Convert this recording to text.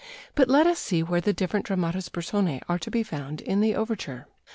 But let us see where the different dramatis personæ are to be found in the overture.